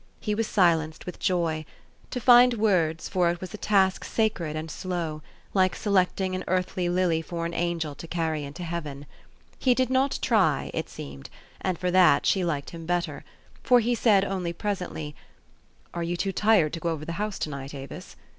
He was silenced with joy: to find words for it was a task sacred and slow, like selecting an earthly lily for an angel to carry into heaven. He did not try, it seemed, and for that she liked him better ; for he said only presently, " Are you too tired to go over the house to night, Avis?